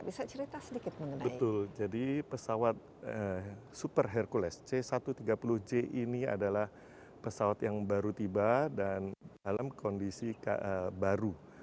bisa cerita sedikit betul jadi pesawat super hercules c satu ratus tiga puluh j ini adalah pesawat yang baru tiba dan dalam kondisi baru